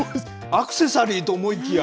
アクセサリーと思いきや。